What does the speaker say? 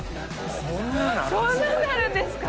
こんなんなるんですね。